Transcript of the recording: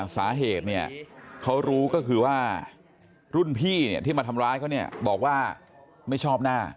สาเหตุเนี่ยเขารู้ก็คือว่ารุ่นพี่เนี่ยที่มาทำร้ายเขาเนี่ยบอกว่าไม่ชอบหน้า